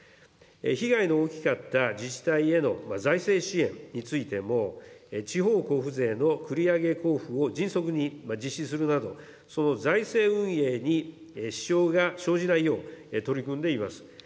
被害の大きかった自治体への財政支援についても、地方交付税の繰り上げ交付を迅速に実施するなど、その財政運営に支障が生じないよう、取り組んでいます。